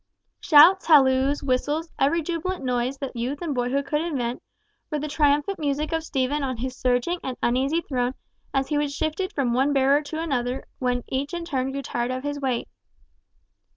Shouts, halloos, whistles, every jubilant noise that youth and boyhood could invent, were the triumphant music of Stephen on his surging and uneasy throne, as he was shifted from one bearer to another when each in turn grew tired of his weight.